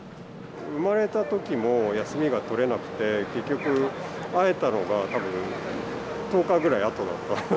生まれたときも休みが取れなくて、結局会えたのが、たぶん１０日ぐらいあとだった。